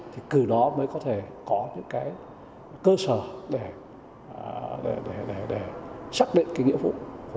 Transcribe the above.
thì từ đó mới có thể có những cái cơ sở để xác định cái nghĩa vụ